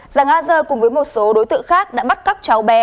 giang a giơ cùng với một số đối tượng khác đã bắt cắp cháu bé